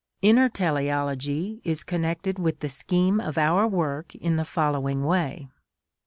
Inner teleology is connected with the scheme of our work in the following way.